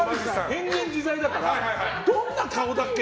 変幻自在だからどんな顔だっけ？